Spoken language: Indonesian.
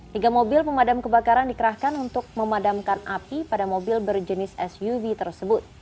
tiga mobil pemadam kebakaran dikerahkan untuk memadamkan api pada mobil berjenis suv tersebut